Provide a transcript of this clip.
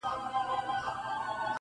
د قلا تر جګ دېواله یې راوړی-